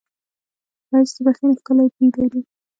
ښایست د بښنې ښکلی بوی لري